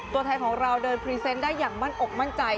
ตัวแทนของเราเดินพรีเซนต์ได้อย่างมั่นอกมั่นใจ